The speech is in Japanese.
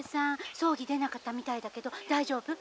葬儀出なかったみたいだけど大丈夫？